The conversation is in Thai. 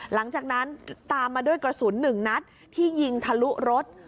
หลังจากนั้นตามมาด้วยกระสุน๑นัดที่ยิงทะลุรถ